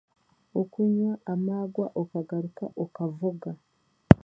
Okunywa amaagwa okagaruka okavuga.